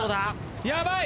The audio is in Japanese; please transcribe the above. ヤバい！